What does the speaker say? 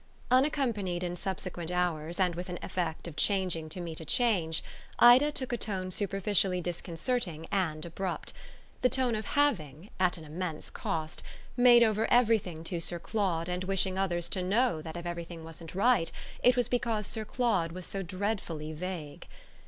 Unaccompanied, in subsequent hours, and with an effect of changing to meet a change, Ida took a tone superficially disconcerting and abrupt the tone of having, at an immense cost, made over everything to Sir Claude and wishing others to know that if everything wasn't right it was because Sir Claude was so dreadfully vague.